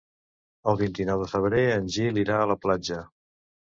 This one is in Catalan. El vint-i-nou de febrer en Gil irà a la platja.